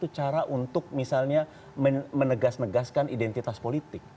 ini adalah satu cara untuk menegaskan identitas politik